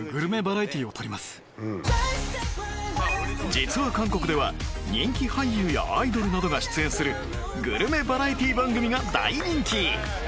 実は韓国では人気俳優やアイドルなどが出演するグルメバラエティ番組が大人気